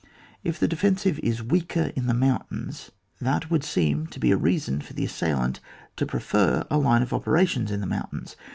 If the defensive is weaker in the mountains, that would seem to be a rea son for the assailant to prefer a line of operations in the mountains.